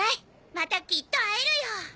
またきっと会えるよ。